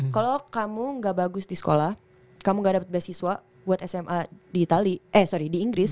kalau kamu gak bagus di sekolah kamu gak dapat beasiswa buat sma di itali eh sorry di inggris